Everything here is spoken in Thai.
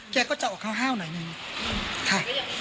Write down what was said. แกก็จะออกห้าวหน่อยหนึ่งค่ะ